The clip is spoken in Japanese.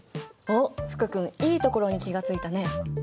おっ福君いいところに気が付いたね。